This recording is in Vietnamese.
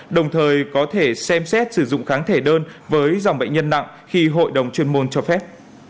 đồng thời có thể xem xét sử dụng kháng thể đơn với dòng bệnh nhân nặng khi hội đồng chuyên môn cho phép